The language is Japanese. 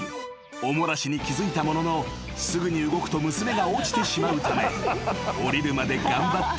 お漏らしに気付いたもののすぐに動くと娘が落ちてしまうため］